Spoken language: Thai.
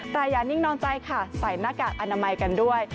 แต่อย่านิ่งนอนใจค่ะใส่หน้ากากอนามัยกันด้วย